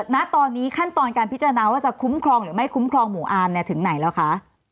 ณตอนนี้ขั้นตอนการพิจารณาว่าจะคุ้มครองหรือไม่คุ้มครองหมู่อาร์มถึงไหนแล้วคะ